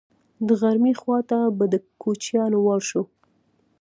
د غرمې خوا ته به د کوچیانو وار شو.